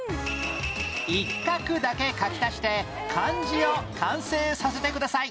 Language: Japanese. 一画だけ書き足して漢字を完成させてください